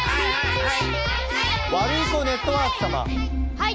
はい。